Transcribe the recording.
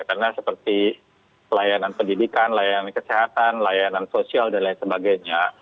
karena seperti pelayanan pendidikan layanan kesehatan layanan sosial dan lain sebagainya